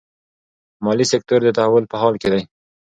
مالي سکتور د تحول په حال کې دی.